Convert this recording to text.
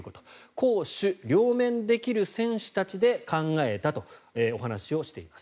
攻守両面できる選手たちで考えたとお話をしています。